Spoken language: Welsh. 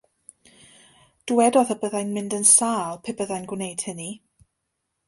Dywedodd y byddai'n mynd yn sâl pe byddai'n gwneud hynny.